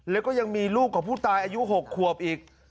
แล้วก็ยังมีลูกของผู้ตายอายุ๖ขวบอีก